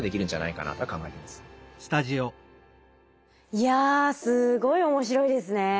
いやすごい面白いですね。